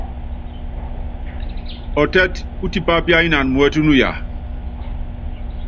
Ɔtɛ́t tipá úpíányinan muɛ́t nuya.